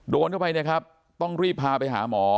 โดนเข้าไปเนี่ยครับต้องรีบพาไปหาหมอ